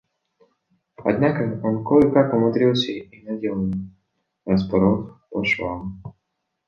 Однако он кое-как умудрился и надел его, распоров по швам.